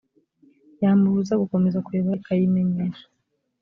yamubuza gukomeza kuyobora ikayimenyesha